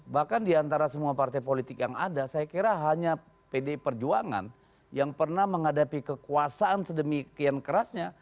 bahkan diantara semua partai politik yang ada saya kira hanya pdi perjuangan yang pernah menghadapi kekuasaan sedemikian kerasnya